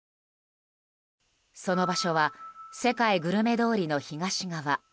その場所は世界グルメ通りの東側。